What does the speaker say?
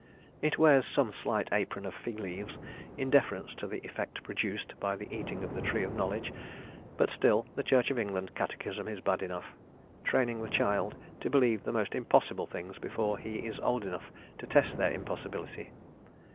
It wears some slight apron of fig leaves in deference to the effect produced by the eating of the tree of knowledge. But still, the Church of England catechism is bad enough, training the child to believe the most impossible things before he is old enough to test their impossibility.